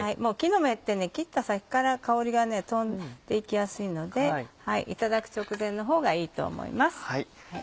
木の芽って切ったさきから香りが飛んで行きやすいのでいただく直前のほうがいいと思います。